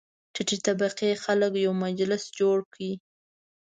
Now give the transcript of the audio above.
ټیټې طبقې خلک یو مجلس جوړ کړ.